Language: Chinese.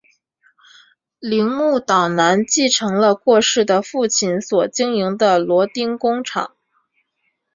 铃木岛男承继了过世的父亲所经营的螺钉工厂。